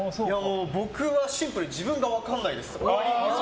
僕はシンプルに僕が分からないです。